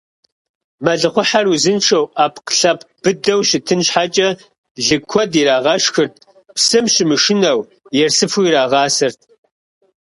Мэлыхъуэхьэр узыншэу, Ӏэпкълъэпкъ быдэу щытын щхьэкӀэ лы куэду ирагъэшхырт, псым щымышынэу, ерсыфу ирагъасэрт.